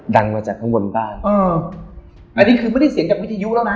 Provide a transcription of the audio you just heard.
ดังมาจากข้างบนบ้านอ๋ออันนี้คือไม่ได้เสียงจากวิทยุแล้วนะ